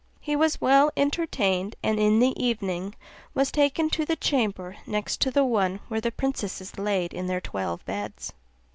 He was well entertained, and in the evening was taken to the chamber next to the one where the princesses lay in their twelve beds.